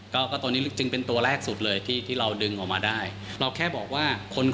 ก็ก็ตัวนี้จึงเป็นตัวแรกสุดเลยที่ที่เราดึงออกมาได้เราแค่บอกว่าคน